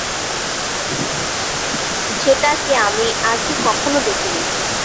যেটাকে আমি আগে কখনো দেখিনি।